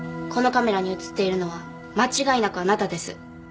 このカメラに映っているのは間違いなくあなたです。